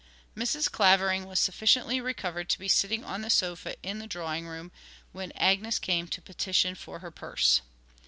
Mrs. Clavering was sufficiently recovered to be sitting on the sofa in the drawing room when Agnes came to petition for her purse.